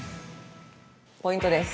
◆ポイントです。